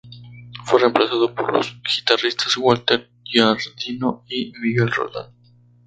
Fue reemplazado por los guitarristas Walter Giardino y Miguel Roldán.